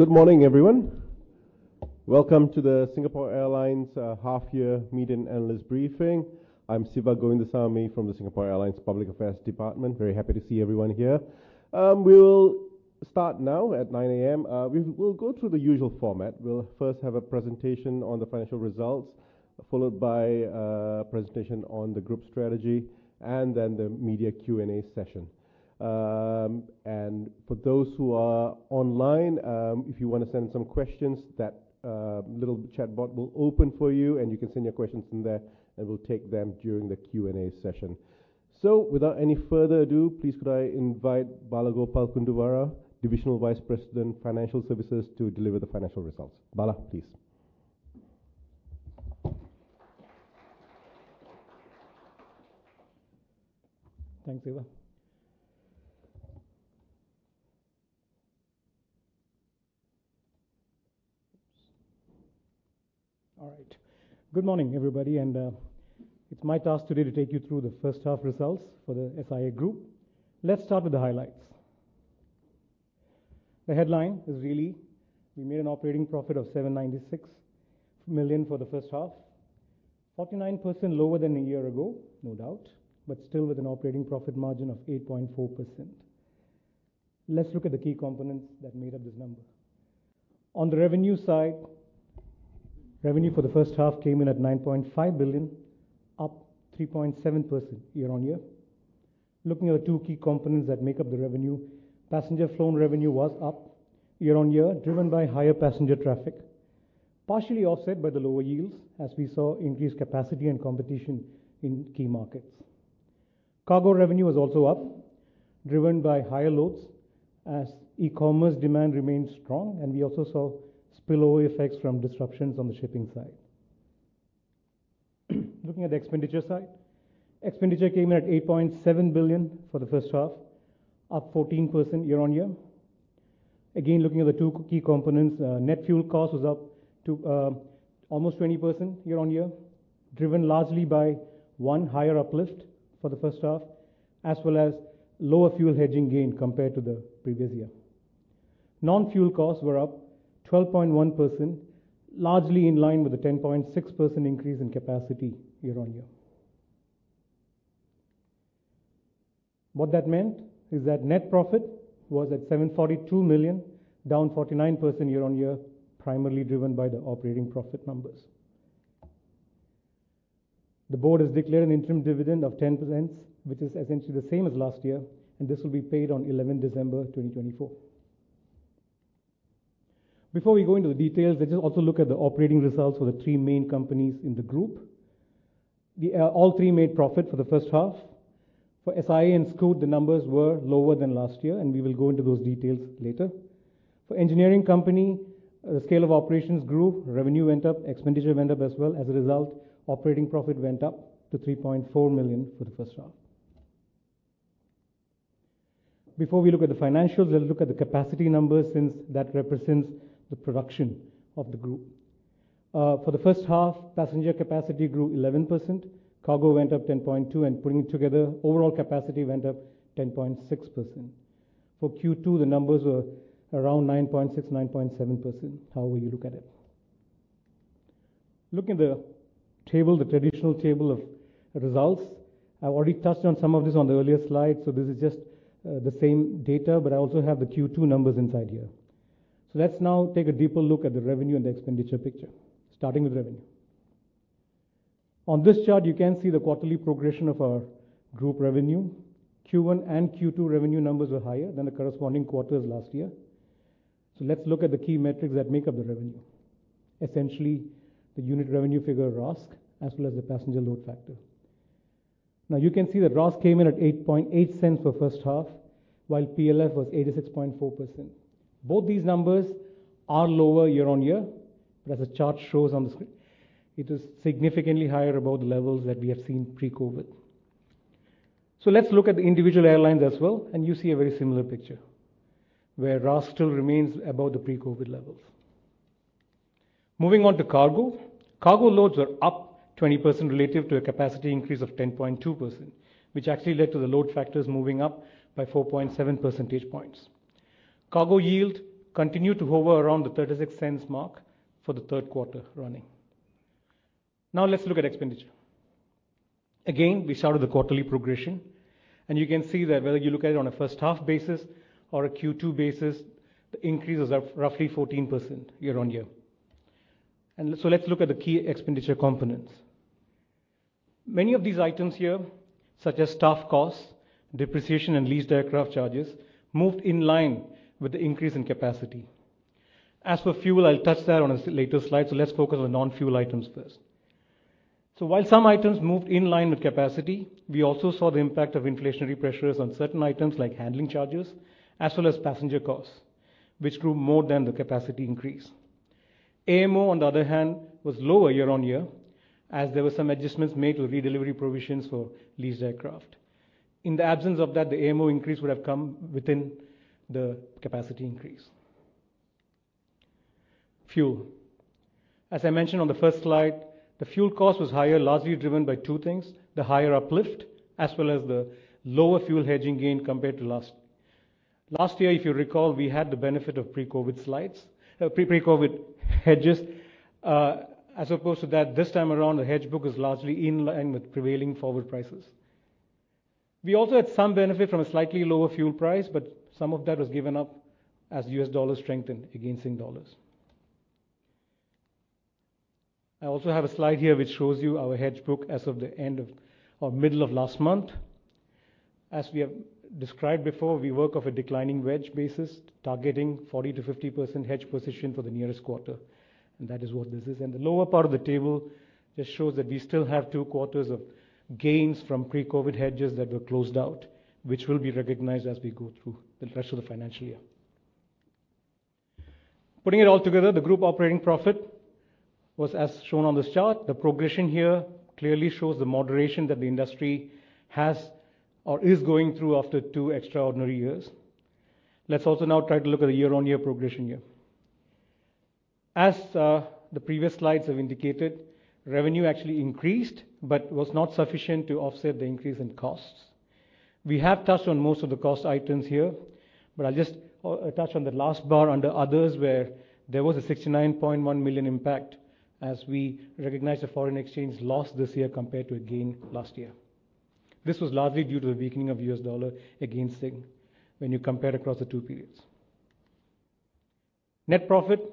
Good morning everyone. Welcome to the Singapore Airlines Half Year Media and Analyst Briefing. I'm Siva Govindasamy from the Singapore Airlines Public Affairs Department. Very happy to see everyone here. We will start now at 9:00 A.M. We will go through the usual format. We'll first have a presentation on the financial results followed by a presentation on the group strategy and then the media Q&A session. And for those who are online, if you want to send some questions, that little chatbot will open for you and you can send your questions in there and we'll take them during the Q&A session. So without any further ado, please could I invite Balagopal Kunduvara, Divisional Vice President, Financial Services to deliver the financial results? Bala, please. Thanks, Siva. All right. Good morning, everybody, and it's my task today to take you through the first half results for the SIA Group. Let's start with the highlights. The headline is really we made an operating profit of 796 million for the first half, 49% lower than a year ago, no doubt, but still with an operating profit margin of 8.4%. Let's look at the key components that made up this number. On the revenue side, revenue for the first half came in at 9.5 billion, up 3.7% year-on-year. Looking at the two key components that make up the revenue, passenger flown revenue was up year-on-year driven by higher passenger traffic, partially offset by the lower yields as we saw increased capacity and competition in key markets. Cargo revenue was also up driven by higher loads as e-commerce demand remained strong. And we also saw spillover effects from disruptions on the shipping side. Looking at the expenditure side, expenditure came in at 8.7 billion for the first half, up 14% year-on-year. Again, looking at the two key components, net fuel cost was up almost 20% year-on-year, driven largely by one higher uplift for the first half as well as lower fuel hedging gain compared to the previous year. Non fuel costs were up 12.1% largely in line with the 10.6% increase in capacity year-on-year. What that meant is that net profit was at 742 million, down 49% year-on-year, primarily driven by the operating profit numbers. The board has declared an interim dividend of 10% which is essentially the same as last year and this will be paid on the 11th of December 2024. Before we go into the details, let's just also look at the operating results for the three main companies in the group. All three made profit for the first half for SIA and Scoot, the numbers were lower than last year and we will go into those details later. For Engineering Company, the scale of operations grew, revenue went up, expenditure went up as well. As a result, operating profit went up to 3.4 million for the first half. Before we look at the financials, let's look at the capacity numbers. Since that represents the production the Group. For the first half, passenger capacity grew 11%, cargo went up 10.2%, and putting it together, overall capacity went up 10.6%. For Q2, the numbers were around 9.6%-9.7%, however you look at it. Looking at the table, the traditional table of results, I already touched on some of this on the earlier slide. So this is just the same data, but I also have the Q2 numbers inside here. So let's now take a deeper look at the revenue and expenditure picture. Starting with revenue. On this chart you can see the quarterly progression of our group revenue, Q1 and Q2 revenue numbers were higher than the corresponding quarters last year. So let's look at the key metrics that make up the revenue. Essentially the unit revenue figure, RASK, as well as the passenger load factor. Now you can see that RASK came in at 0.088 for first half while PLF was 86.4%. Both these numbers are lower year-on-year, but as the chart shows on the screen, it is significantly higher above the levels that we have seen pre-COVID. So let's look at the individual airlines as well and you see a very similar picture where RASK still remains above the pre-COVID levels. Moving on to cargo. Cargo loads are up 20% relative to a capacity increase of 10.2% which actually led to the load factors moving up by 4.7 percentage points. Cargo yield continued to hover around the $0.36 mark for the third quarter running. Now let's look at expenditure. Again, we showed the quarterly progression and you can see that whether you look at it on a first half basis or a Q2 basis, the increase is roughly 14% year-on-year. So let's look at the key expenditure components. Many of these items here, such as staff costs, depreciation and leased aircraft charges, moved in line with the increase in capacity. As for fuel, I'll touch that on a later slide, so let's focus on non fuel items first. So while some items moved in line with capacity, we also saw the impact of inflationary pressures on certain items like handling charges, as well as passenger costs which grew more than the capacity increase. M&O, on the other hand, was lower year-on-year as there were some adjustments made to redelivery provisions for leased aircraft. In the absence of that, the M&O increase would have come within the capacity increase. Fuel. As I mentioned on the first slide the fuel cost was higher, largely driven by two things, the higher uplift as well as the lower fuel hedging gain compared to last. Last year if you recall, we had the benefit of pre-COVID hedges as opposed to that this time around. The hedge book is largely in line with prevailing forward prices. We also had some benefit from a slightly lower fuel price, but some of that was given up as U.S. dollars strengthened against Singapore dollars. I also have a slide here which shows you our hedge book as of the end of the, or middle of last month. As we have described before, we work off a declining wedge basis targeting 40%-50% hedge position for the nearest quarter and that is what this is. The lower part of the table just shows that we still have 2/4 of gains from pre-COVID hedges that were closed out which will be recognized as we go through the rest of the financial year. Putting it all together, the group operating profit was as shown on this chart. The progression here clearly shows the moderation that the industry has or is going through after two extraordinary years. Let's also now try to look at the year-on-year progression here. As the previous slides have indicated, revenue actually increased but was not sufficient to offset the increase in costs. We have touched on most of the cost items here, but I'll just touch on the last bar under others where there was a 69.1 million impact as we recognized a foreign exchange loss this year compared to a gain last year. This was largely due to the weakening of the US dollar against the Singapore dollar. When you compare across the two periods, net profit shows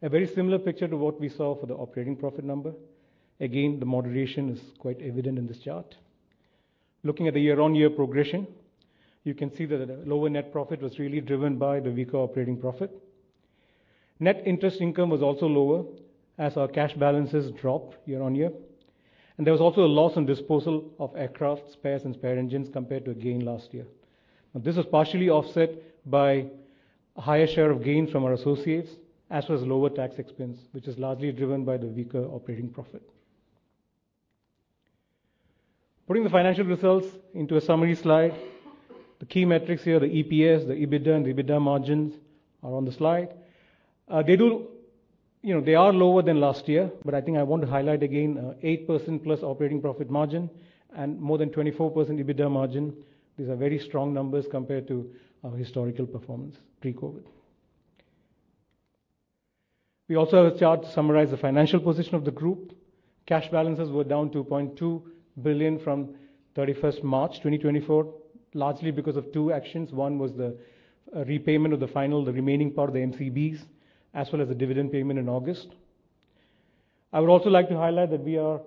a very similar picture to what we saw for the operating profit number. Again, the moderation is quite evident in this chart. Looking at the year-on-year progression you can see that the lower net profit was really driven by the weaker operating profit. Net interest income was also lower as our cash balances dropped year-on-year and there was also a loss on disposal of aircraft spares and spare engines compared to a gain last year. This was partially offset by a higher share of gains from our associates as well as lower tax expense which is largely driven by the weaker operating profit. Putting the financial results into a summary slide. The key metrics here, the EPS, the EBITDA and EBITDA margins are on the slide. They do you know they are lower than last year but I think I want to highlight again 8% plus operating profit margin and more than 24% EBITDA margin. These are very strong numbers compared to our historical performance pre-COVID. We also have a chart to summarize the financial position of the group. Cash balances were down 2.2 billion from 31 March 2024 largely because of two actions. One was the repayment of the final the remaining part of the MCBs as well as the dividend payment in August. I would also like to highlight that we are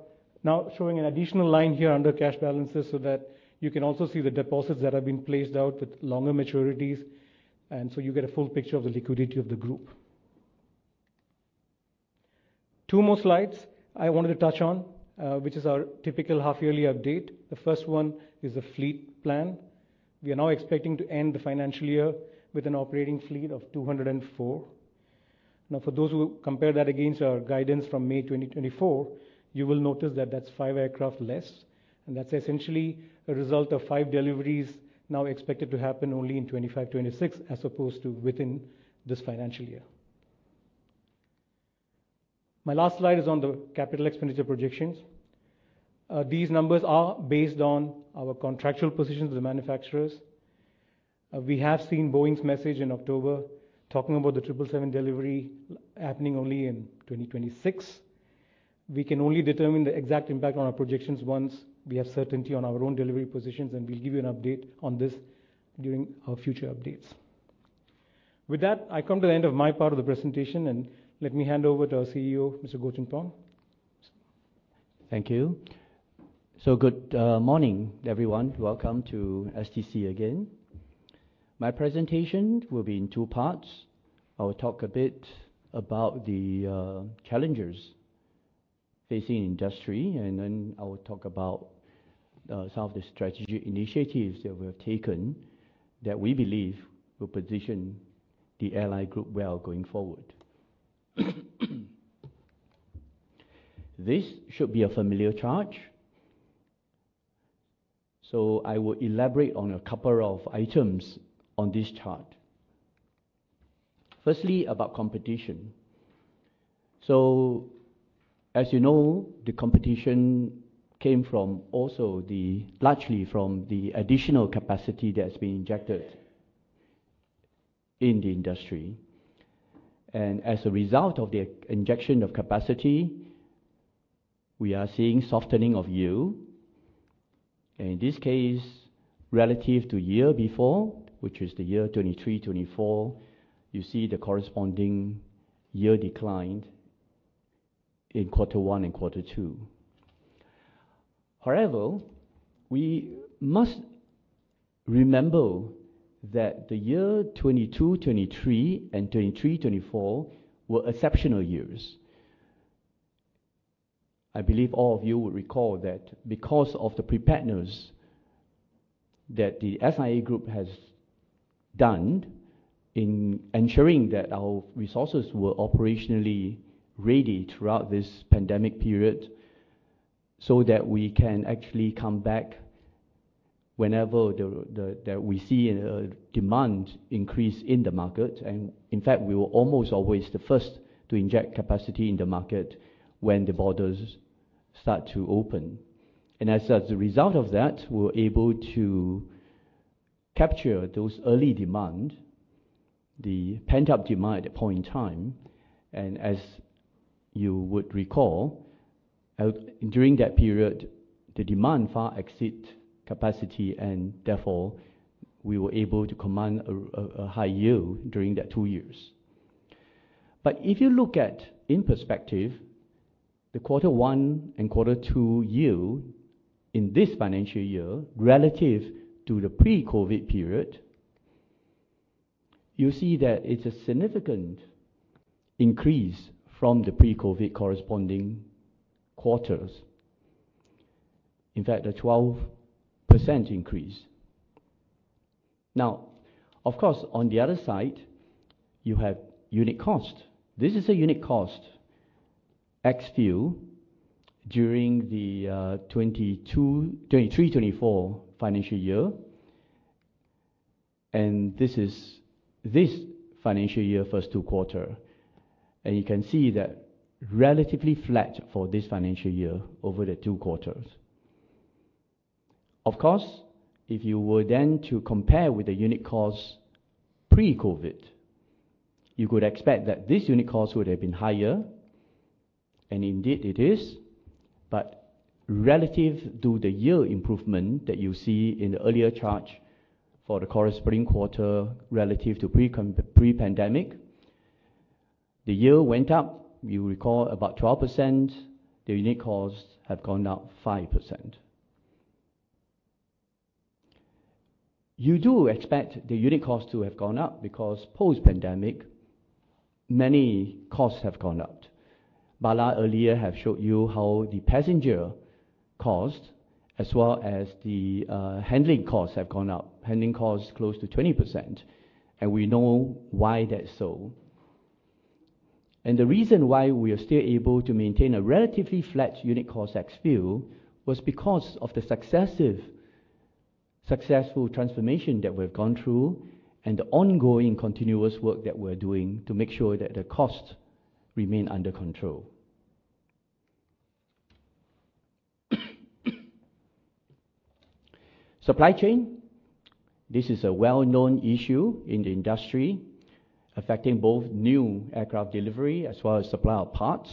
now showing an additional line here under cash balances so that you can also see the deposits that have been placed out with longer maturities and so you get a full picture of the liquidity of the group. Two more slides I wanted to touch on which is our typical half yearly update. The first one is the fleet plan. We are now expecting to end the financial year with an operating fleet of 204. Now for those who compare that against our guidance from May 2024, you will notice that that's five aircraft less and that's essentially a result of five deliveries now expected to happen only in 2026 as opposed to within this financial year. My last slide is on the capital expenditure projections. These numbers are based on our contractual positions of the manufacturers. We have seen Boeing's message in October talking about the 777 delivery happening only in 2026. We can only determine the exact impact on our projections once we have certainty on our own delivery positions. And we'll give you an update on this during our future updates. With that, I come to the end of my part of the presentation and let me hand over to our CEO, Mr. Goh Choon Phong. Thank you. So good morning everyone. Welcome to STC. Again. My presentation will be in two parts. I will talk a bit about the challenges facing industry and then I will talk about some of the strategic initiatives that we have taken that we believe will position the SIA Group well going forward. This should be a familiar chart. So I will elaborate on a couple of items on this chart. Firstly, about competition. So as you know, the competition came from also the largely from the additional capacity that's been injected in the industry. And as a result of the injection of capacity we are seeing softening of yield in this case relative to year before, which is the year 2023-24. You see the corresponding year decline in quarter one and quarter two. However, we must remember that the year 2022-23 and 2023-24 were exceptional years. I believe all of you would recall that because of the preparedness that the SIA Group has done in ensuring that our resources were operationally ready throughout this pandemic period so that we can actually come back whenever that we see demand increase in the market, and in fact we were almost always the first to inject capacity in the market when the borders start to open. And as a result of that we're able to capture those early demand, the pent up demand at point in time. And as you would recall, during that period the demand far exceed capacity and therefore we were able to command a high yield during that two years. But if you look at in perspective the quarter one and quarter two yield in this financial year relative to the pre-Covid period, you see that it's a significant increase from the pre-Covid corresponding quarters. In fact a 12% increase. Now of course on the other side you have unit cost. This is a unit cost ex-fuel during the 2022-24 financial year. And this is this financial year first two quarters. And you can see that relatively flat for this financial year over the two quarters. Of course, if you were then to compare with the unit cost pre-Covid, you could expect that this unit cost would have been higher. And indeed it is. But relative to the yield improvement that you see in the earlier chart for the corresponding quarter relative to pre-pandemic, the yield went up, you recall, about 12%. The unit costs have gone up 5%. You do expect the unit cost to have gone up because post-pandemic many costs have gone up. Bala earlier have showed you how the passenger cost as well as the handling costs have gone up. Handling costs close to 20%, and we know why that's so, and the reason why we are still able to maintain a relatively flat unit CASK ex-fuel was because of the successful transformation that we've gone through and the ongoing continuous work that we're doing to make sure that the cost remain under control. Supply chain. This is a well-known issue in the industry affecting both new aircraft delivery as well as supply of parts.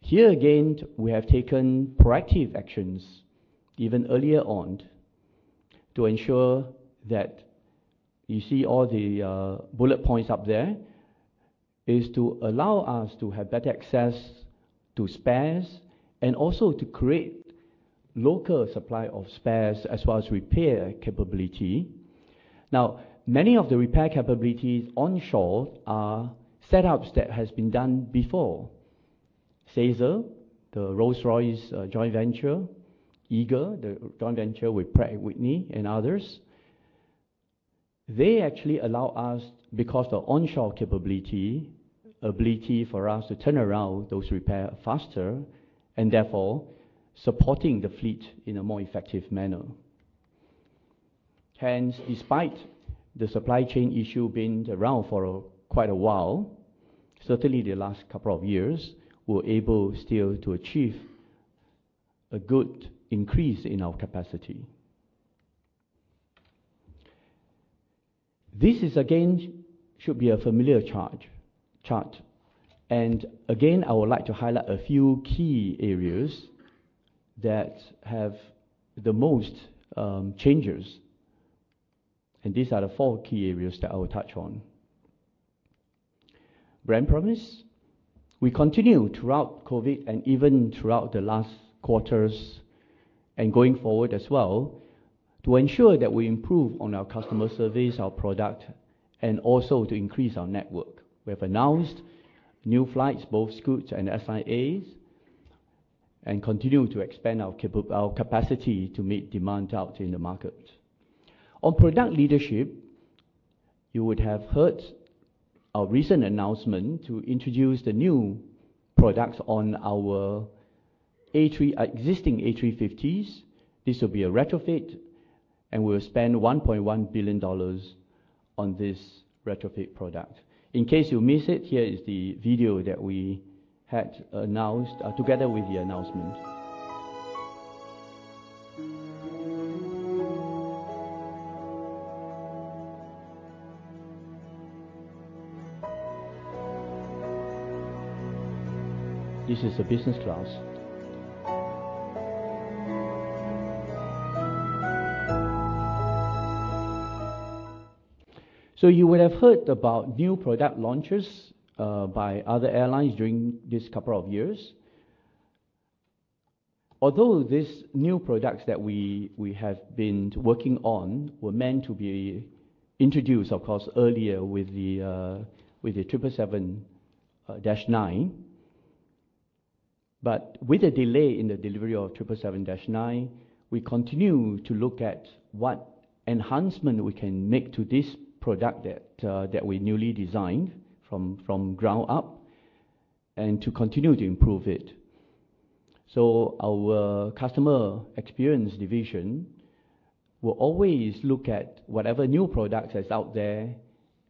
Here again, we have taken proactive actions even earlier on to ensure that you see all the bullet points up there is to allow us to have better access to spares and also to create local supply of spares as well as repair capability. Now many of the repair capabilities onshore are setups that has been done before. SAESL, the Rolls-Royce joint venture Eagle, the joint venture with Pratt & Whitney and others, they actually allow us because the onshore capability ability for us to turn around those repair faster and therefore supporting the fleet in a more effective manner. Hence, despite the supply chain issue being around for quite a while, certainly the last couple of years we were able still to achieve a good increase in our capacity. This again should be a familiar change chart, and again I would like to highlight a few key areas that have the most changes, and these are the four key areas that I will touch on. Brand promise, we continue throughout COVID and even throughout the last quarters and going forward as well to ensure that we improve on our customer service, our product, and also to increase our network. We have announced new flights, both Scoot's and SIA's, and continue to expand our capacity to meet demand out in the market. On product leadership, you would have heard our recent announcement to introduce the new products on our existing A350s. This will be a retrofit, and we will spend $1.1 billion on this retrofit product. In case you miss it, here is the video that we had announced together with the announcement. This is a business class. You would have heard about new product launches by other airlines during this couple of years. Although these new products that we have been working on were meant to be introduced of course earlier with the 777 but with a delay in the delivery of 777-9 we continue to look at what enhancements we can make to this product that we newly designed from the ground up and to continue to improve it. Our customer experience division will always look at whatever new products are out there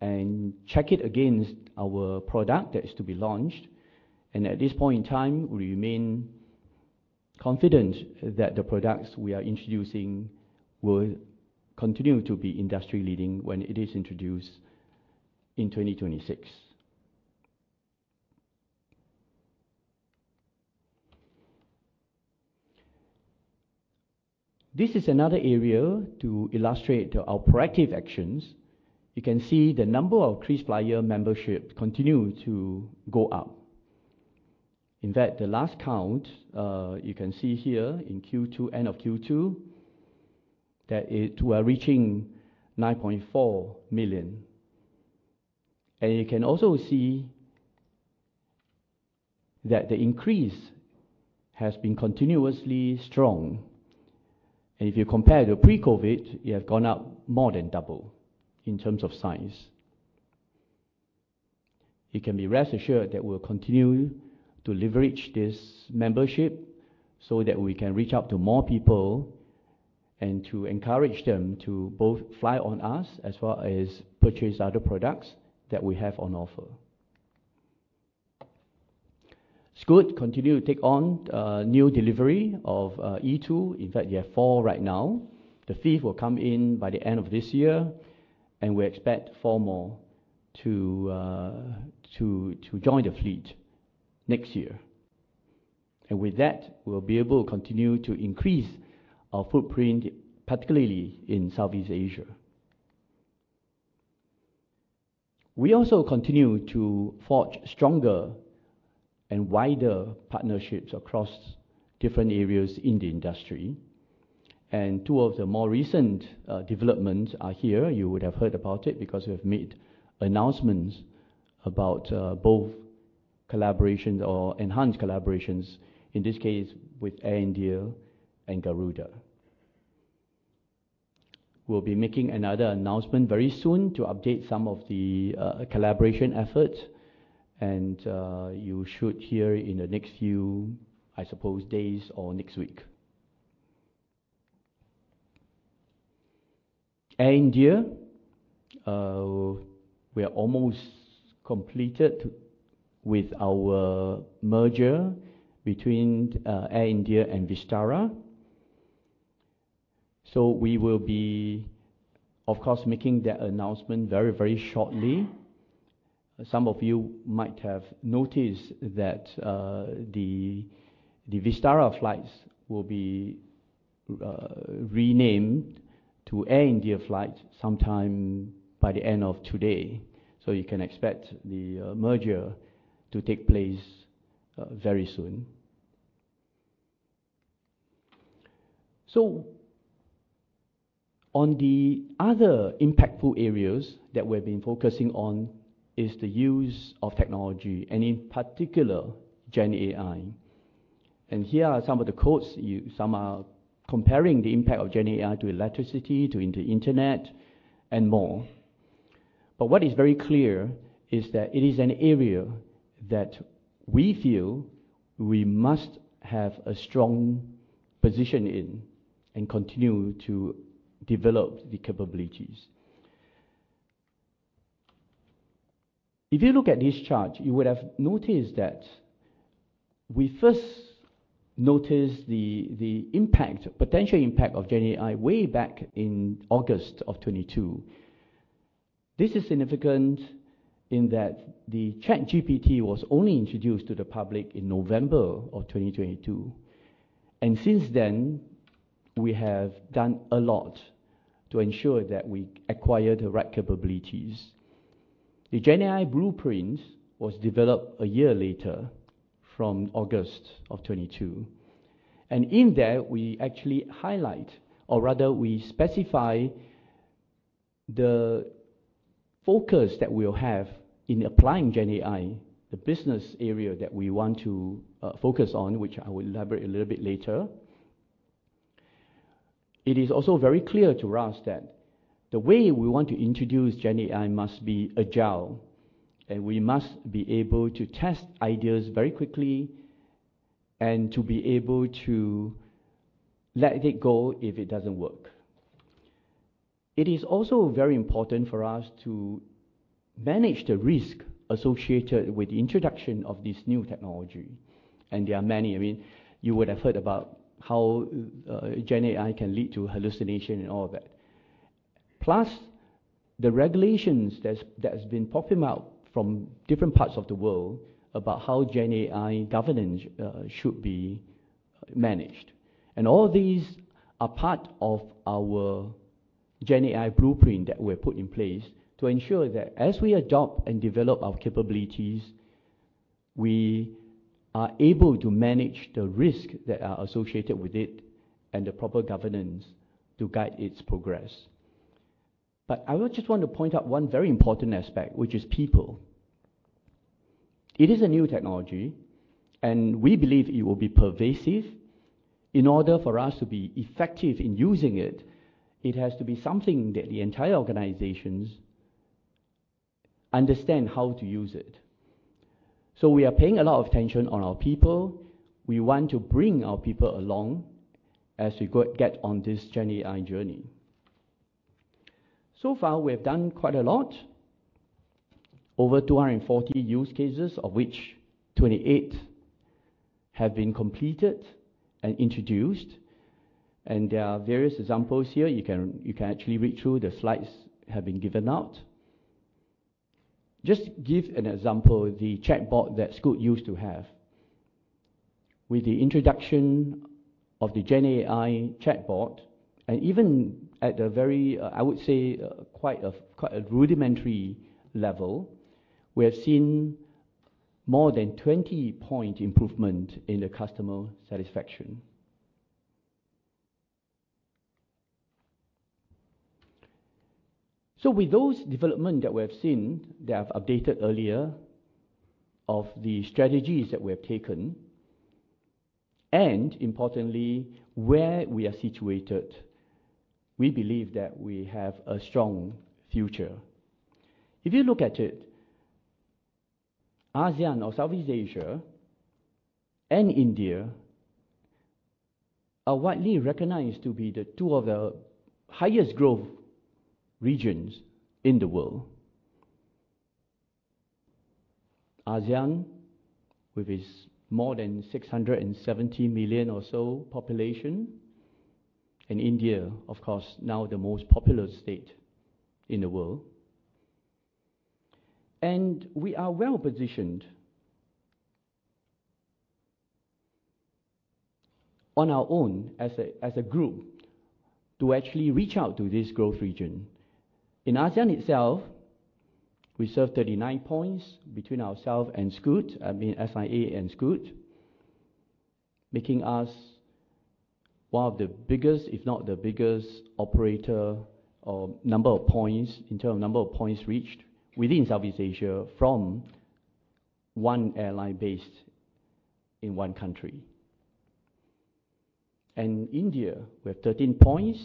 and check it against our product that is to be launched. At this point in time we remain confident that the products we are introducing will continue to be industry leading when it is introduced in 2026. This is another area to illustrate operational actions. You can see the number of KrisFlyer membership continue to go up. In fact, the last count you can see here in end of Q2 that it was reaching 9.4 million. You can also see that the increase has been continuously strong, and if you compare to pre-COVID it has gone up more than double in terms of size. You can be rest assured that we will continue to leverage this membership so that we can reach out to more people and to encourage them to both fly on us as well as purchase other products that we have on offer. Scoot continues to take on new delivery of E2. In fact there are four right now. The fifth will come in by the end of this year and we expect four more to join the fleet next year. With that we'll be able to continue to increase our footprint, particularly in Southeast Asia. We also continue to forge stronger and wider partnerships across different areas in the industry, and two of the more recent developments are here. You would have heard about it because we have made announcements about both collaborations or enhanced collaborations, in this case with IndiGo and Garuda. We'll be making another announcement very soon to update some of the collaboration efforts, and you should hear in the next few, I suppose, days or next week. Air India, we are almost completed with our merger between Air India and Vistara, so we will be of course making that announcement very, very shortly. Some of you might have noticed that the Vistara flights will be renamed to Air India flights sometime by the end of today, so you can expect the merger to take place very soon. So on the other impactful areas that we've been focusing on is the use of technology and in particular GenAI. And here are some of the quotes. Some are comparing the impact of GenAI to electricity, to Internet and more. But what is very clear is that it is an area that we feel we must have a strong position in and continue to develop the capabilities. If you look at this chart, you would have noticed that we first noticed the impact, potential impact of GenAI way back in August of 2022. This is significant in that the ChatGPT was only introduced to the public in November of 2022 and since then we have done a lot to ensure that we acquire the right capabilities. The GenAI blueprint was developed a year later from August of 2022, and in there we actually highlight, or rather we specify the focus that we will have in applying GenAI, the business area that we want to focus on, which I will elaborate a little bit later. It is also very clear to us that the way we want to introduce GenAI must be agile and we must be able to test ideas very quickly and to be able to let it go if it doesn't work. It is also very important for us to manage the risk associated with the introduction of this new technology. And there are many, I mean, you would have heard about how GenAI can lead to hallucination and all that, plus the regulations that has been popping out from different parts of the world about how GenAI governance should be managed. All these are part of our GenAI blueprint that we put in place to ensure that as we adopt and develop our capabilities, we are able to manage the risk that are associated with it and the proper governance to guide its progress. I just want to point out one very important aspect which is people. It is a new technology and we believe it will be pervasive in order for us to be effective in using has to be something that the entire organization understand how to use it. We are paying a lot of attention on our people. We want to bring our people along as we get on this GenAI journey. So far we have done quite a lot over 240 use cases of which 28 have been completed and introduced. There are various examples here. You can, you can actually read through the slides have been given out. Just give an example, the chatbot that Scoot used to have. With the introduction of the GenAI chatbot and even at a very, I would say quite a, quite a rudimentary level, we have seen more than 20-point improvement in the customer satisfaction. So with those development that we have seen that I've updated earlier of the strategies that we have taken and importantly, where we are situated, we believe that we have a strong future. If you look at it, ASEAN or Southeast Asia and India are widely recognized to be two of the highest growth regions in the world. ASEAN with its more than 670 million or so population, and India of course now the most populous state in the world, and we are well positioned. On our own as a group to actually reach out to this growth region. In ASEAN itself, we serve 39 points between ourselves and Scoot, I mean SIA and Scoot, making us one of the biggest, if not the biggest operator or number of points in terms of number of points reached within Southeast Asia from one airline based in one country and India we have 13 points,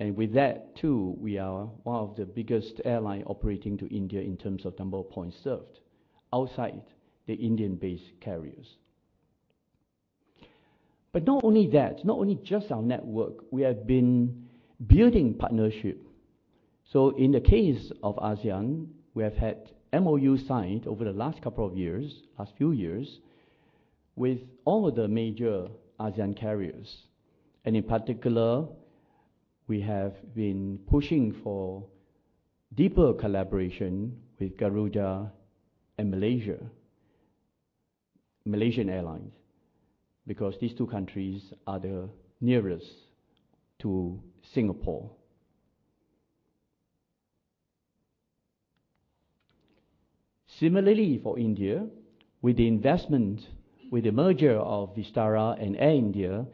and with that too we are one of the biggest airline operating to India in terms of number of points served outside the Indian based carriers, but not only that, not only just our network, we have been building partnership. So in the case of ASEAN, we have had MOU signed over the last couple of years, last few years with all of the major ASEAN carriers and in particular we have been pushing for deeper collaboration with Garuda and Malaysia Airlines, because these two countries are the nearest to Singapore. Similarly for India, with the investment with the merger of Vistara and Air India,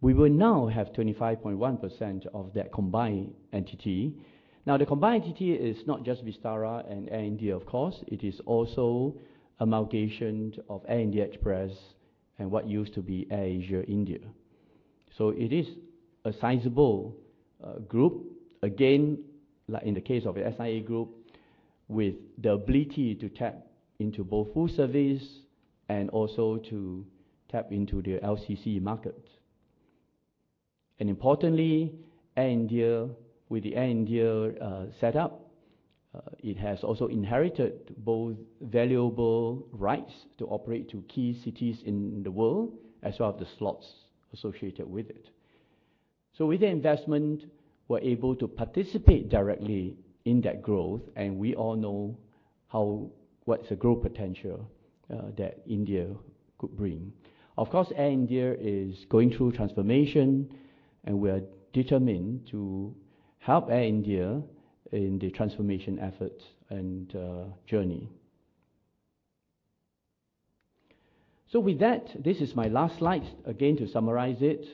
we will now have 25.1% of that combined entity. Now, the combined entity is not just Vistara and Air India, of course, it is also Air India Express and what used to be AirAsia India. So it is a sizable group again, like in the case of SIA Group, with the ability to tap into both full service and also to tap into the LCC market. And importantly, with the Air India setup, it has also inherited both valuable rights to operate to key cities in the world as well as the slots associated with it. So with the investment, we're able to participate directly in that growth and we all know what's the growth potential that India could bring. Of course, Air India is going through transformation and we are determined to help Air India in the transformation efforts and journey. So with that, this is my last slide. Again, to summarize it,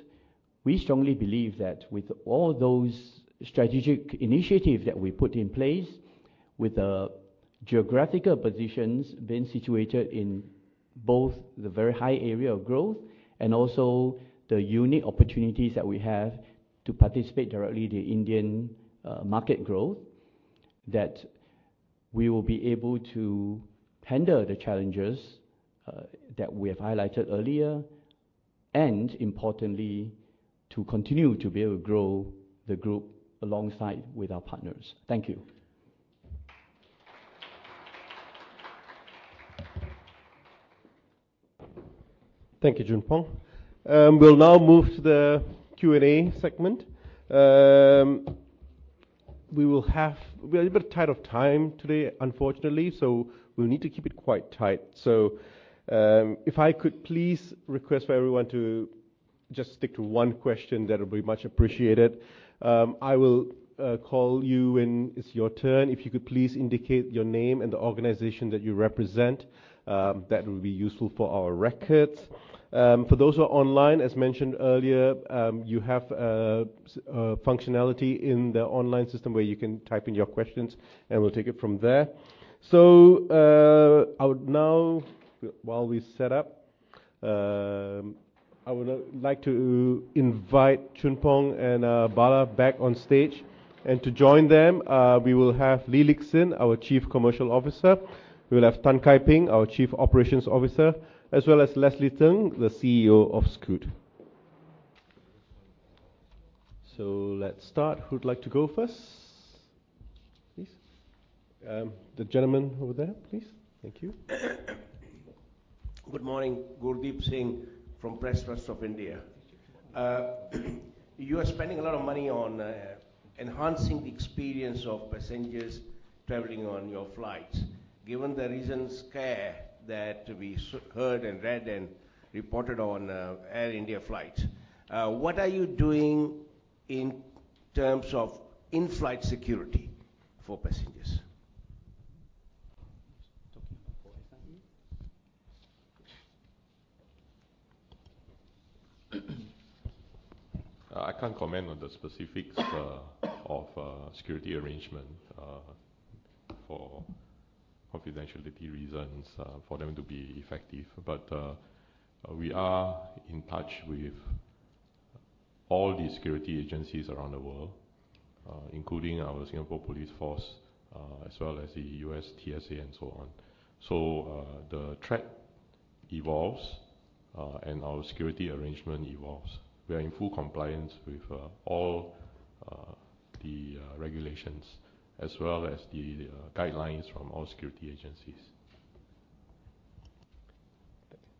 we strongly believe that with all those strategic initiatives that we put in place, with geographical positions being situated in both the very high area of growth and also the unique opportunities that we have to participate directly the Indian market growth, that we will be able to handle the challenges that we have highlighted earlier and importantly to continue to be able to grow the group alongside with our partners. Thank you. Thank you, Goh Choon Phong. We'll now move to the Q&A segment we will have. We're a little bit short of time today, unfortunately, so we need to keep it quite tight. So if I could please request for everyone to just stick to one question that will be much appreciated. I will call you when it's your turn. If you could please indicate your name and the organization that you represent, that will be useful for our records for those who are online. As mentioned earlier, you have functionality in the online system where you can type in your questions and we'll take it from there. So I would now, while we set up. I would like to invite Goh Choon Phong and Bala back on stage, and to join them, we will have Lee Lik Hsin, our Chief Commercial Officer. We will have Tan Kai Ping, our Chief Operations Officer, as well as Leslie Thng, the CEO of Scoot, so let's start. Who'd like to go first, please? The gentleman over there, please. Thank you. Good morning. Gurdip Singh from Press Trust of India. You are spending a lot of money on enhancing the experience of passengers traveling on your flights. Given the recent scare that we heard and read and reported on Air India flights, what are you doing in terms of in-flight security for passengers? I can't comment on the specifics of security arrangement for confidentiality reasons for them to be effective. But we are in touch with all the security agencies around the world, including our Singapore Police Force as well as the U.S. TSA and so on. So the threat evolves and our security arrangement evolves. We are in full compliance with all the regulations as well as the guidelines from all security agencies.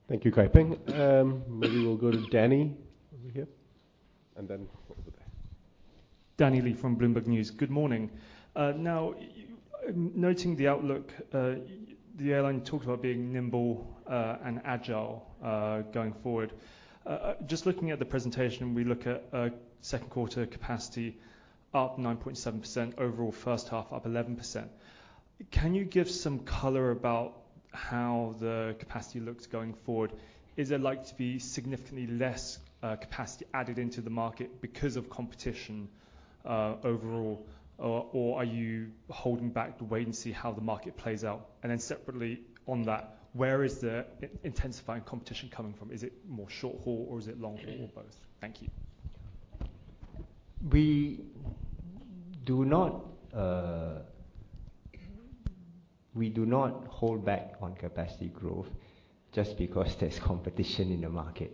Thank you, Kai Ping. Maybe we'll go to Danny over here and then- Danny Lee from Bloomberg News. Good morning. Now noting the outlook, the airline talked about being nimble and agile going forward. Just looking at the presentation we look at second quarter capacity up 9.7% overall, first half up 11%. Can you give some color about how the capacity looks going forward? Is there likely to be significantly less capacity added into the market because of competition overall or are you holding back to wait and see how the market plays out? And then separately on that, where is the intensifying competition coming from? Is it more short haul or is it long haul or both? Thank you. We do not, we do not hold back on capacity growth just because there's competition in the market.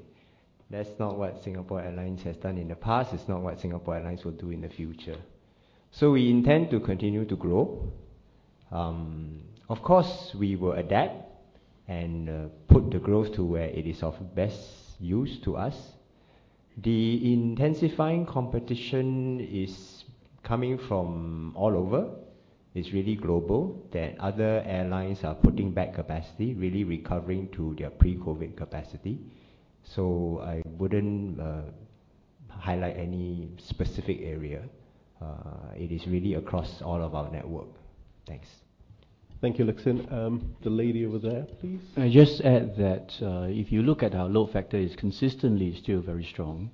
That's not what Singapore Airlines has done in the past. It's not what Singapore Airlines will do in the future. So we intend to continue to grow. Of course we will adapt and put the growth to where it is of best used to us. The intensifying competition is coming from all over. It's really global that other airlines are putting back capacity, really recovering to their pre-COVID capacity. So I wouldn't highlight any specific area. It is really across all of our network. Thanks. Thank you. Lee Lik Hsin, the lady over there please. I just add that if you look at our load factor it's consistently still very strong.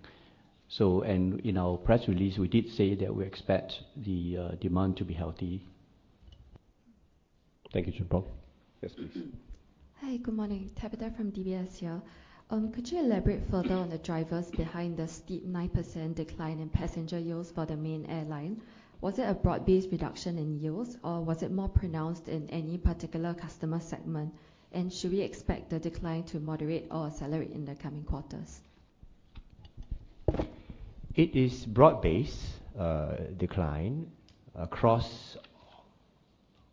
So, and in our press release we did say that we expect the demand to be healthy. Thank you. Choon Phong. Yes please. Hi, good morning. Tabitha from DBS here. Could you elaborate further on the drivers behind the steep 9% decline in passenger yields for the main airline? Was it a broad-based reduction in yields or was it more pronounced in any particular customer segment, and should we expect the decline to moderate or accelerate in the coming quarters? It is a broad-based decline across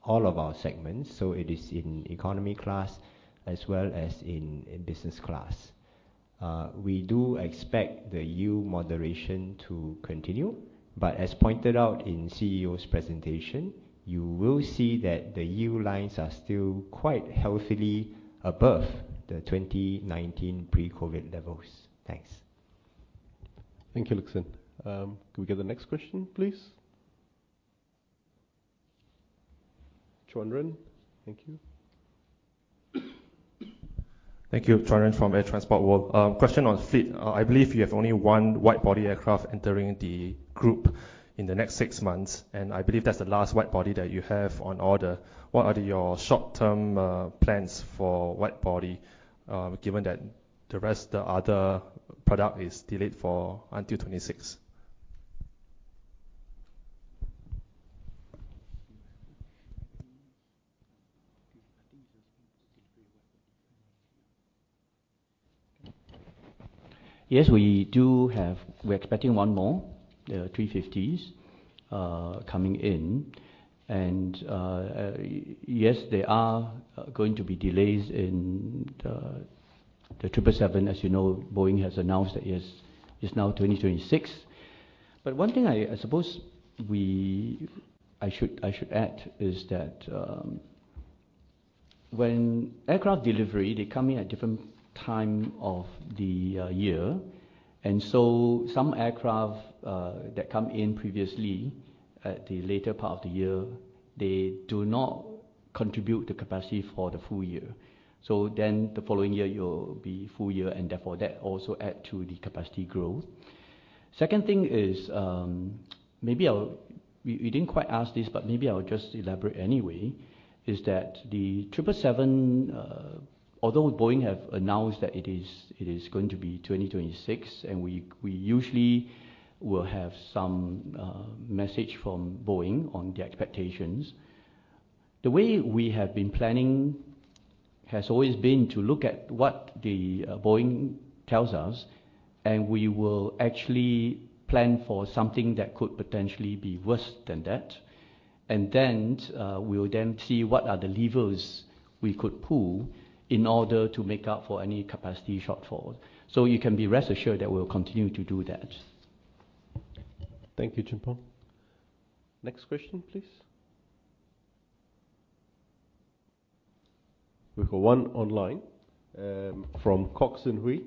all of our segments. So it is in economy class as well as in business class. We do expect the yield moderation to continue, but as pointed out in the CEO's presentation, you will see that the yield lines are still quite healthily above the 2019 pre-COVID levels. Thanks. Thank you, Lik Hsin. Can we get the next question please? Chuanren? Thank you. Thank you. Chuanren from Air Transport World A question on fleet. I believe you have only one widebody aircraft and during the group in the next six months, and I believe that's the last widebody that you have on order. What are your short-term plans for widebody given that the rest of the other product is delayed until 2026? Yes, we do have. We're expecting one more A350s coming in and yes there are going to be delays in the 777. As you know Boeing has announced that it's now 2026. But one thing I suppose I should add is that when aircraft delivery they come in at different time of the year. And so some aircraft that come in previously at the later part of the year, they do not contribute the capacity for the full year. So then the following year you'll be full year and therefore that also add to the capacity growth. Second thing is maybe I'll. We didn't quite ask this but maybe I'll just elaborate anyway. Is that the 777, although Boeing have announced that it is going to be 2026 and we usually will have some message from Boeing on the expectations. The way we have been planning has always been to look at what Boeing tells us and we will actually plan for something that could potentially be worse than that. And then we will then see what are the levers we could pull in order to make up for any capacity shortfalls. So you can be rest assured that we will continue to do that. Thank you, Choon Phong. Next question please. We've got one online from Kok Xing Hui.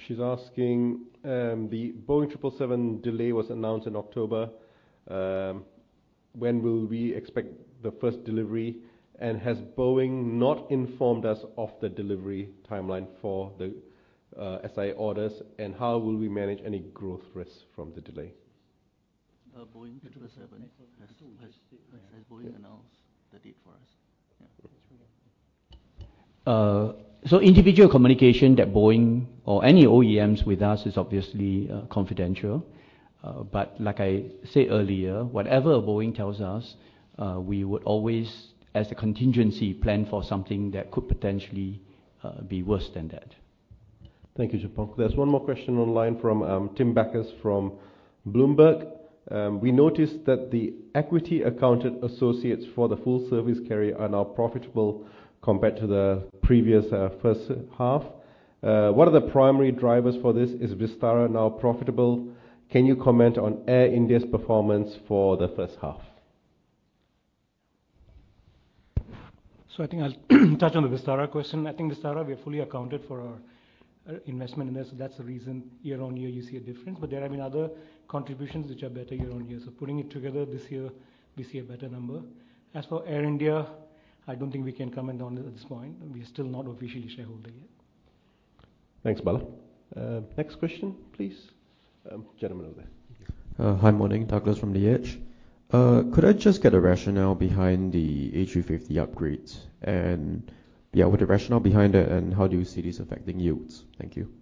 She's asking the Boeing 777 delay was announced in October. When will we expect the first delivery and has Boeing not informed us of the delivery timeline for the SIA orders and how will we manage any growth risk from the delay? Boeing 777. So, individual communication that Boeing or any OEMs with us is obviously confidential. But, like I said earlier, whatever Boeing tells us, we would always as a contingency plan for something that could potentially be worse than that. Thank you. There's one more question online from Tim Bacchus from Bloomberg. We noticed that the equity accounted associates for the full service carrier are now profitable compared to the previous first half. What are the primary drivers for this? Is Vistara now profitable? Can you comment on Air India's performance for the first half? So I think I'll touch on the Vistara question. I think Vistara, we are fully accounted for our investment in this. That's the reason, year-on-year you see a difference. But there have been other contributions which are better year-on-year. So putting it together this year we see a better number. As for Air India, I don't think we can comment on at this point and we're still not officially shareholder yet. Thanks Bala. Next question please. Gentleman over there. Hi. Morning, Douglas from The Edge. Could I just get a rationale behind the A350 upgrades, and yeah, with the rationale behind it and how do you see this affecting yields? Thank you.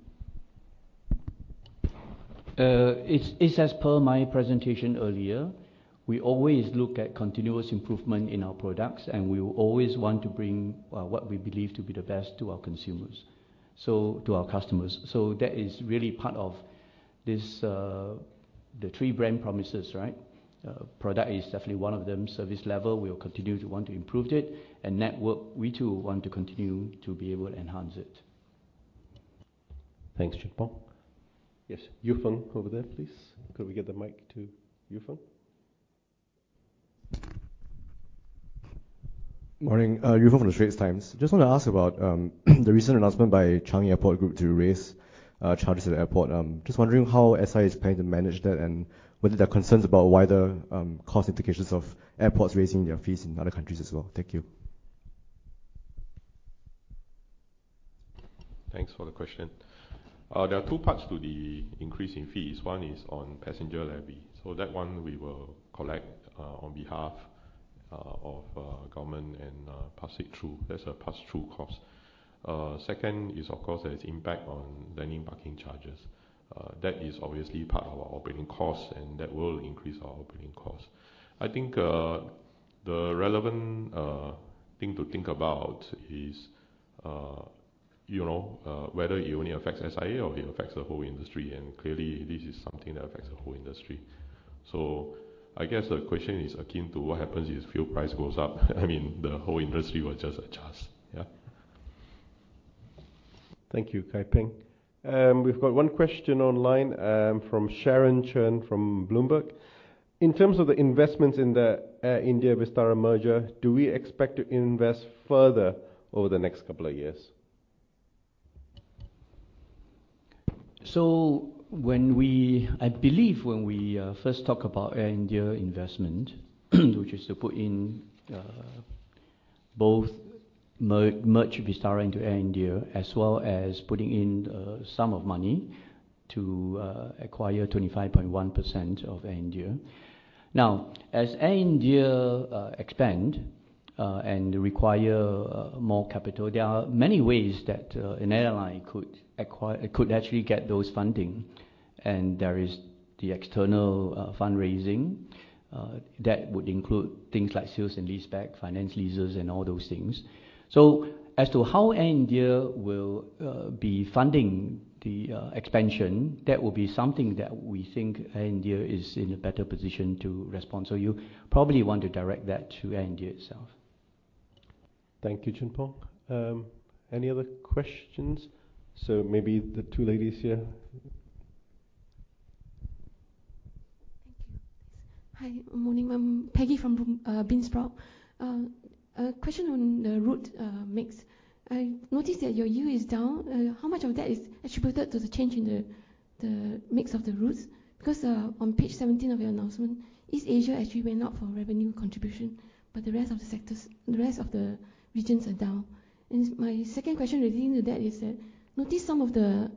It's as per my presentation earlier. We always look at continuous improvement in our products and we always want to bring what we believe to be the best to our consumers, so to our customers. So that is really part of this. The three brand promises, right? Product is definitely one of them. Service level, we will continue to want to improve it and network. We too want to continue to be able to enhance it. Thanks. Yes, Yufeng over there please. Could we get the mic to Yufeng? Morning, Yufeng, from the Straits Times. Just want to ask about the recent announcement by Changi Airport Group to raise charges at the airport. Just wondering how SIA is planning to manage that and whether there are concerns about wider cost implications of airports raising their fees in other countries as well? Thank you. Thanks for the question. There are two parts to the increase in fees. One is on passenger levy. So that one we will collect on behalf of government and pass it through. That's a pass through cost. Second is of course there is impact on landing parking charges. That is obviously part of our operating cost and that will increase our operating cost. I think the relevant thing to think about is, you know, whether it only affects SIA or it affects the whole industry. And clearly this is something that affects the whole industry. So I guess the question is akin to what happens if fuel price goes up? I mean the whole industry will just adjust. Thank you, Kai Ping. And we've got one question online from Sharon Chen from Bloomberg. In terms of the investments in the Air India-Vistara merger, do we expect to invest further over the next couple of years? So when we, I believe when we first talk about Air India investment, which is to put in both merge Vistara into Air India as well as putting in some of money to acquire 25.1% of Air India. Now, as Air India expand and require more capital, there are many ways that an airline could actually get those funding. And there is the external fundraising that would include things like sales and leaseback, finance leases and all those things. So as to how Air India will be funding the expansion, that will be something that we think India is in a better position to respond. So you probably want to direct that to India itself. Thank you. Goh Choon Phong, any other questions? So maybe the two ladies here. Thank you. Hi, good morning. I'm Peggy from Beansprout. A question on the route mix. I noticed that your yield is down. How much of that is attributed to the change in the mix of the routes? Because on page 17 of your announcement, East Asia actually went up for revenue contribution, but the rest of the sectors, the rest of the regions are down. My second question relating to that is, I notice some of the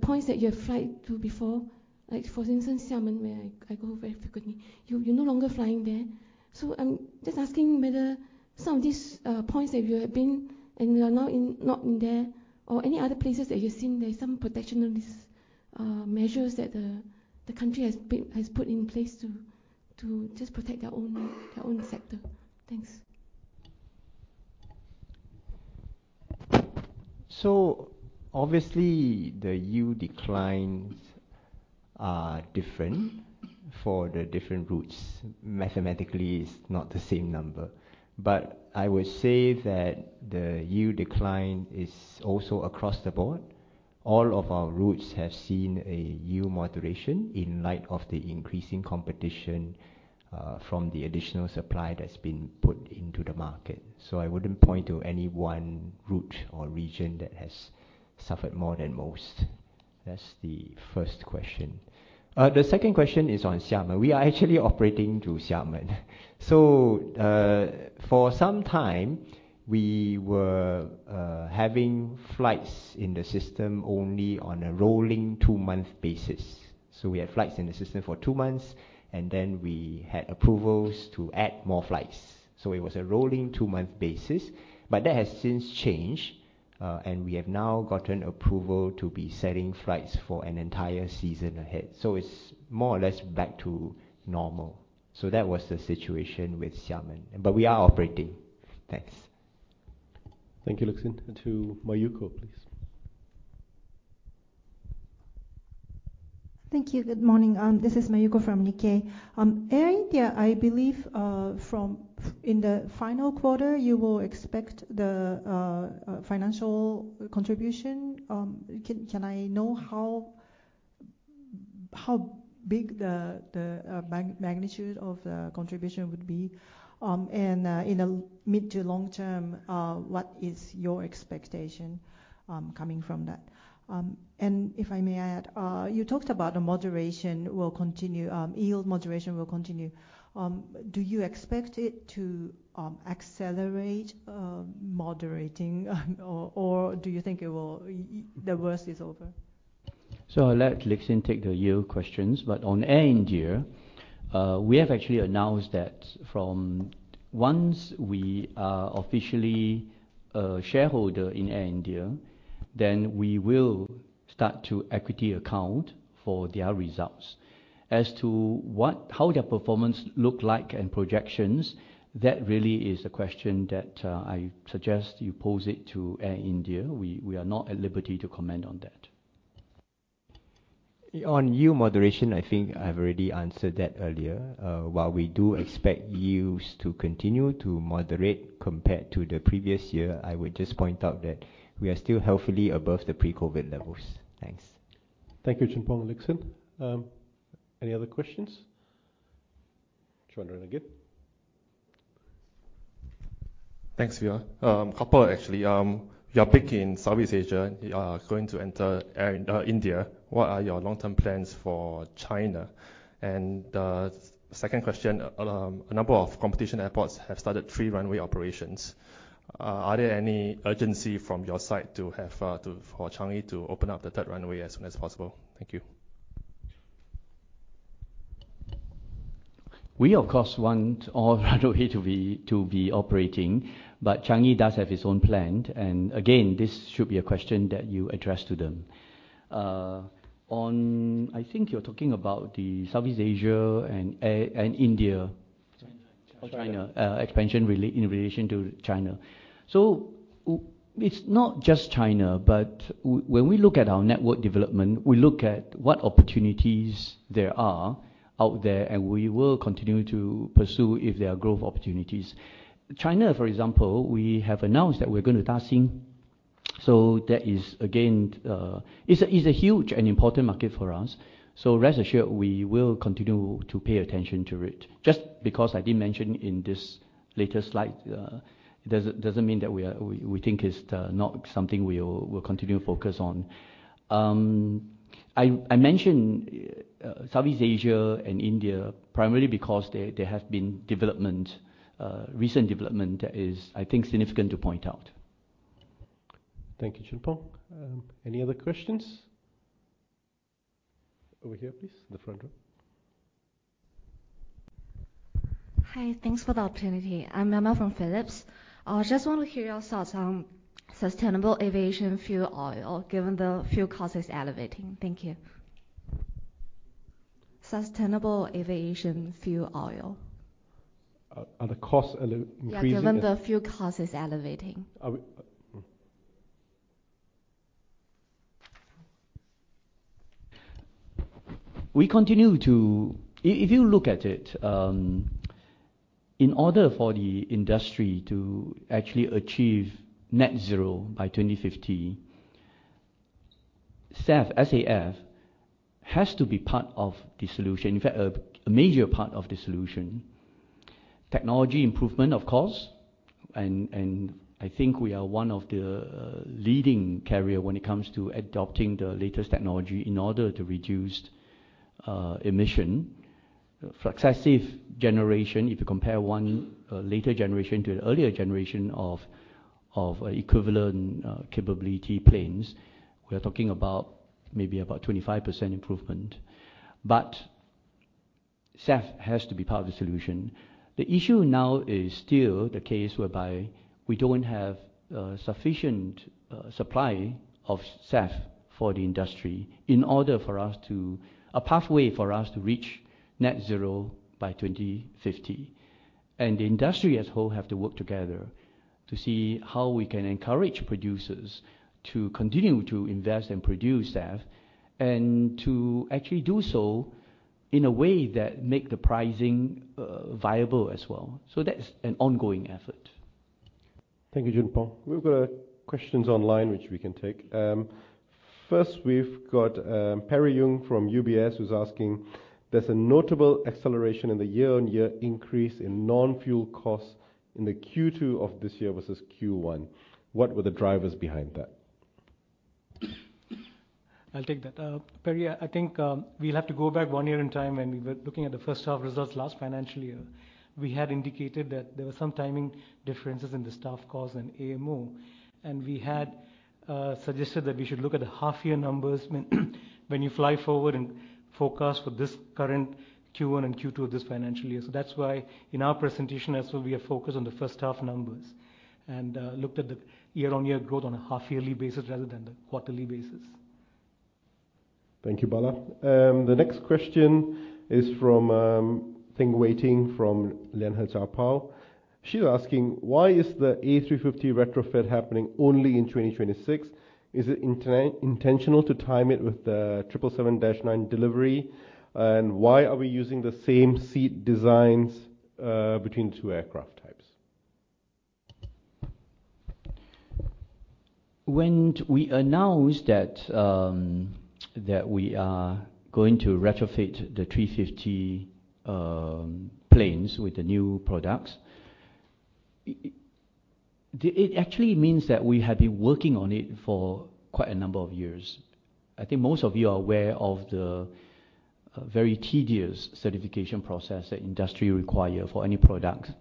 points that you have flown to before, like for instance Xiamen, where I go very frequently, you're no longer flying there. So I'm just asking whether some of these points that you have been to and you are now not flying to there or any other places that you've seen. There's some protectionist measures that the country has put in place to just protect their own sector? Thanks. Obviously the yield declines are different for the different routes. Mathematically it's not the same number, but I would say that the yield decline is also across the board. All of our routes have seen a yield moderation in light of the increasing competition from the additional supply that's been put into the market. I wouldn't point to any one route or region that has suffered more than most. That's the first question. The second question is on Xiamen. We are actually operating through Xiamen. For some time we were having flights in the system only on a rolling two-month basis. We had flights in the system for two months and then we had approvals to add more flights. It was a rolling two-month basis. But that has since changed and we have now gotten approval to be setting flights for an entire season ahead. So it's more or less back to normal. So that was the situation with Xiamen, but we are operating. Thanks. Thank you. Lee Lik Hsin to Mayuko please. Thank you. Good morning, this is Mayuko from Nikkei. I believe from in the final quarter you will expect the financial contribution. Can I know how big the magnitude of the contribution would be? And in a mid- to long-term, what is your expectation coming from that? And if I may add, you talked about the moderation will continue. Yield moderation will continue. Do you expect it to accelerate moderating or do you think it will, the worst is over? So I'll let Lee Lik Hsin take the yield questions. But on India, we have actually announced that from once we are officially a shareholder in Air India, then we will start to equity account for their results as to how their performance look like and projections. That really is a question that I suggest you pose it to Air India. We are not at liberty to comment on that. On yield moderation, I think I've already answered that earlier. While we do expect yields to continue to moderate compared to the previous year, I would just point out that we are still healthily above the pre-COVID levels. Thanks. Goh Choon Phong and Lee Lik Hsin. Any other questions? Thanks Siva, couple actually. You are big in Southeast Asia. You are going to enter India. What are your long-term plans for China and second question a number of competing airports have started three-runway operations. Are there any urgency from your side for Changi to open up the third runway as soon as possible? Thank you. We of course want all runways to be operating, but Changi does have its own plan, and again this should be a question that you address to them. On I think you're talking about the Southeast Asia and India expansion in relation to China. So it's not just China, but when we look at our network development we look at what opportunities there are out there and we will continue to pursue if there are growth opportunities. China for example we have announced that we're going to Daxing so that is again a huge and important market for us so rest assured we will continue to pay attention to it. Just because I didn't mention in this latest slide doesn't mean that we think it's not something we will continue to focus on. I mentioned Southeast Asia and India primarily because there has been development. Recent development is, I think, significant to point out. Thank you, Choon Phong. Any other questions over here? Please, the front row. Hi, thanks for the opportunity. I'm Miaomiao from Phillip Securities. I just want to hear your thoughts on Sustainable Aviation Fuel oil given the fuel cost is elevating. Thank you. Sustainable Aviation Fuel oil are the costs given the fuel cost is elevating. We continue to. If you look at it, in order for the industry to actually achieve net zero by 2050, SAF has to be part of the solution, in fact a major part of the solution. Technology improvement, of course, and I think we are one of the leading carriers when it comes to adopting the latest technology in order to reduce emissions successive generations. If you compare one later generation to the earlier generation of equivalent capability planes, we are talking about maybe about 25% improvement, but SAF has to be part of the solution. The issue now is still the case whereby we don't have sufficient supply of SAF for the industry in order for us to have a pathway for us to reach Net Zero by 2030 and the industry as a whole have to work together to see how we can encourage producers to continue to invest and produce that and to actually do so in a way that make the pricing viable as well. So that's an ongoing effort. you, Goh Choon Phong. We've got questions online which we can take first. We've got Perry Yung from UBS who's asking. There's a notable acceleration in the year-on-year increase in non fuel costs in the Q2 of this year versus Q1. What were the drivers behind that? I'll take that Perry. I think we'll have to go back one year in time. When we were looking at the first half results last financial year, we had indicated that there were some timing differences in the staff cost and M&O and we had suggested that we should look at the half year numbers. But when you fly forward and forecast for this current Q1 and Q2 of this financial year. So that's why in our presentation as well we have focused on the first half numbers and looked at the year-on-year growth on a half yearly basis rather than the quarterly basis. Thank you Bala. The next question is from Tang Wei Ting from Lianhe Zaobao. She's asking why is the A350 retrofit happening only in 2026? Is it intentional to time it with the 777-9 delivery? And why are we using the same seat designs between two aircraft types? When we announced that we are going to retrofit the 350 planes with the new products, it actually means that we have been working on it for quite a number of years. I think most of you are aware of the very tedious certification process that industry require for any product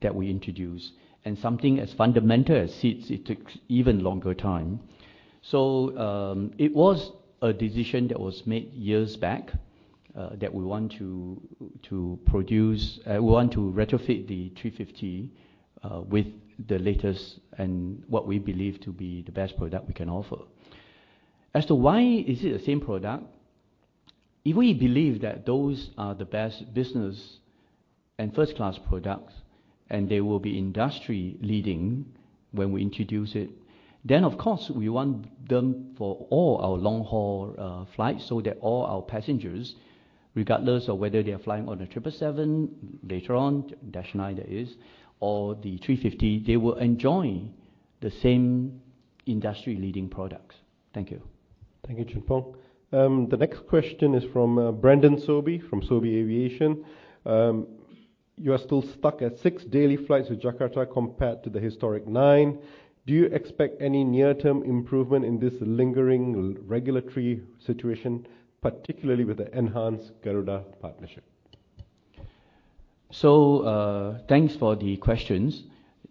that we introduce and something as fundamental as seats, it took even longer time. So it was a decision that was made years back that we want to pursue. We want to retrofit the 350 with the latest and what we believe to be the best product we can offer. As to why is it the same product if we believe that those are the best business and first class products and they will be industry leading when we introduce it, then of course we want them for all our long haul flights so that all our passengers, regardless of whether they are flying on a 777, later on the 9, that is, or the A350, they will enjoy the same industry leading products. Thank you. Thank you. The next question is from Brendan Sobie from Sobie Aviation. You are still stuck at six daily flights with Jakarta compared to the historic nine. Do you expect any near term improvement in this lingering regulatory situation particularly with the enhanced Garuda partnership? Thanks for the questions.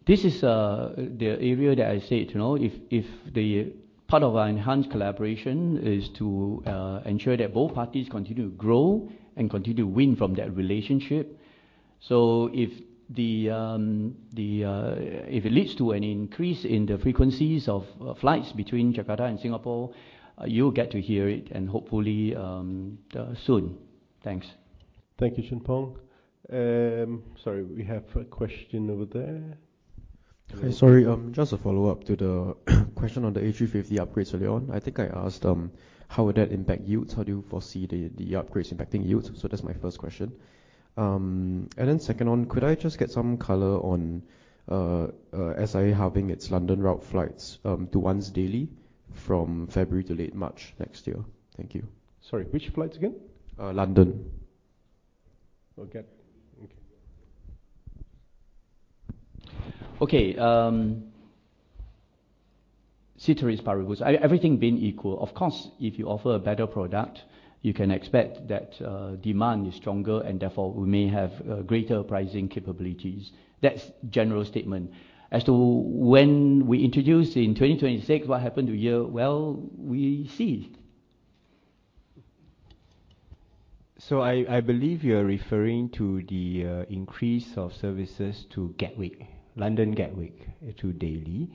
This is the area that I said if the part of our enhanced collaboration is to ensure that both parties continue to grow and continue to win from that relationship. So if it leads to an increase in the frequencies of flights between Jakarta and Singapore, you'll get to hear it and hopefully soon. Thanks. Thank you, Choon Phong. Sorry, we have a question over there. Sorry, just a follow up to the question on the A350 upgrades, early on, I think I asked, how would that impact yields? How do you foresee the upgrades impacting yields? So that's my first question, and then second one, could I just get some color on SIA halving its London route flights to once daily from February to late March next year. Thank you. Sorry, which flights again? London. Okay. Everything being equal, of course, if you offer a better product, you can expect that demand is stronger and therefore we may have greater pricing capabilities. That's general statement as to when we introduced in 2026. What happened to year? Well, we ceased. So I believe you are referring to the increase of services to Gatwick, London Gatwick to daily?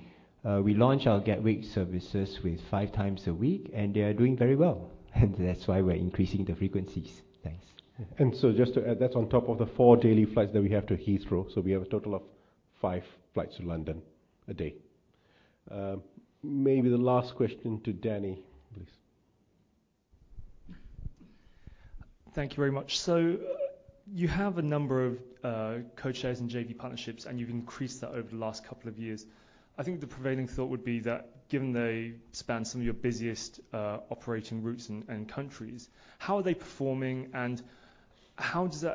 We launch our Gatwick services with five times a week and they are doing very well and that's why we're increasing the frequencies. Thanks. And so just to add, that's on top of the four daily flights that we have to Heathrow. So we have a total of five flights to London a day. Maybe the last question to Danny, please. Thank you very much. So you have a number of codeshares and JV partnerships and you've increased that over the last couple of years. I think the prevailing thought would be that given they span some of your busiest operating routes and countries, how are they performing and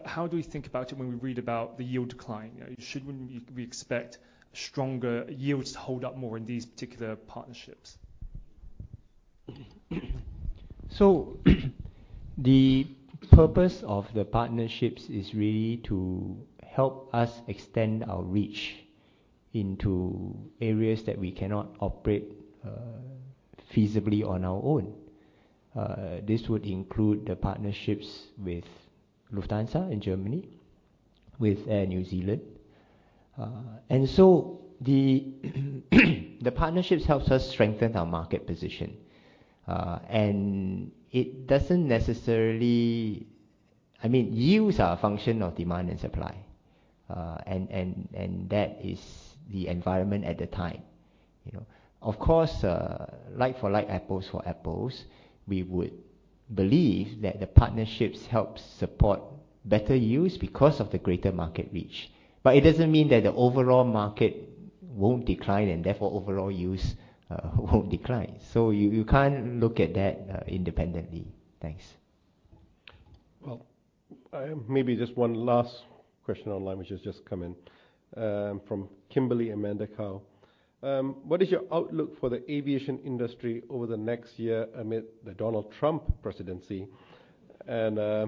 how do we think about it? When we read about the yield decline, should we expect stronger yields to hold up more in these particular partnerships? So the purpose of the partnerships is really to help us extend our reach into areas that we cannot operate feasibly on our own. This would include the partnerships with Lufthansa in Germany, with Air New Zealand. And so the partnerships help us strengthen our market position. And it doesn't necessarily. I mean, yields are a function of demand and supply and that is the environment at the time. Of course, like for like. Apples for apples. We would believe that the partnerships help support better yields because of the greater market reach. But it doesn't mean that the overall market won't decline and therefore overall yields won't decline. So you can't look at that independently. Thanks. Well, maybe just one last question online, which has just come in from Kimberly Amanda Kao. What is your outlook for the aviation industry over the next year amid the Donald Trump presidency? And are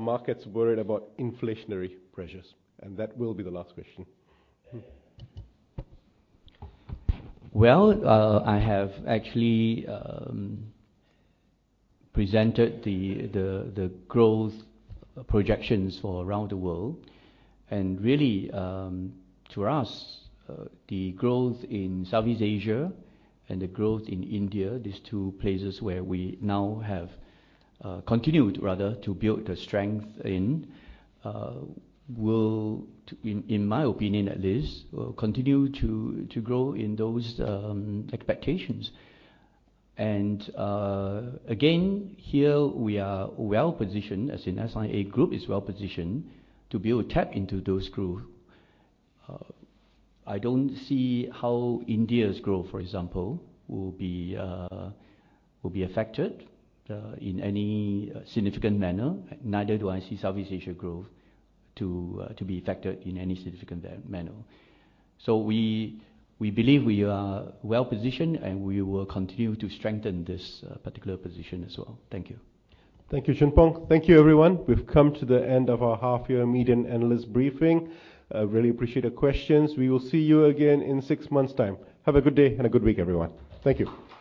markets worried about inflationary pressures? And that will be the last question. I have actually presented the growth projections for around the world and really to us, the growth in Southeast Asia and the growth in India, these two places where we now have continued rather to build the strength in will, in my opinion at least, will continue to grow in those expectations. Again, here we are well positioned as an SIA Group is well positioned to be able to tap into those groups. I don't see how India's growth, for example, will be affected in any significant manner. Neither do I see Southeast Asia growth to be affected in any significant manner. We believe we are well positioned and we will continue to strengthen this particular position as well. Thank you. Thank you. Goh Choon Phong, thank you everyone. We've come to the end of our half-year management analyst briefing. Really appreciate your questions. We will see you again in six months' time. Have a good day and a good week everyone. Thank you.